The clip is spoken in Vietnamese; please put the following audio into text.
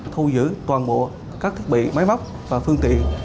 thu giữ toàn bộ các thiết bị máy móc và phương tiện